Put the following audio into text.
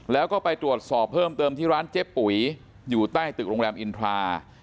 แล้วก็ไปตรวจสอบเพิ่มเติมที่ร้านเจ๊ปุ๋ยอยู่ใต้ตึกโรงแรมอินทรา